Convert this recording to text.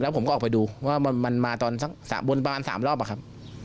เป็นของเทศบาลครับ